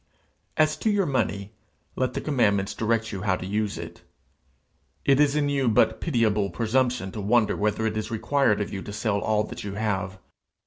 As to your money, let the commandments direct you how to use it. It is in you but pitiable presumption to wonder whether it is required of you to sell all that you have.